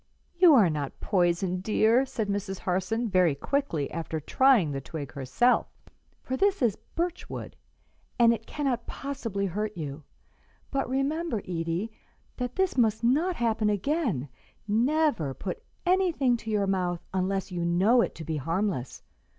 "You are not poisoned, dear," said Miss Harson, very quickly, after trying the twig herself; "for this is birch wood, and it cannot possibly hurt you. But remember, Edie, that this must not happen again; never put anything to your mouth unless you know it to be harmless.